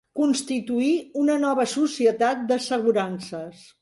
Constituir una nova societat d'assegurances.